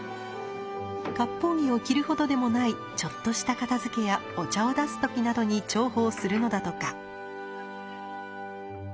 割烹着を着るほどでもないちょっとした片づけやお茶を出す時などに重宝するのだとか。